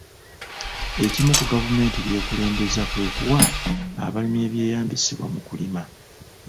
Ekimu ku gavumenti by'ekulembezza kwe kuwa abalimi ebyeyambisibwa mu kulima.